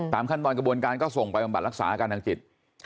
ขั้นตอนกระบวนการก็ส่งไปบำบัดรักษาอาการทางจิต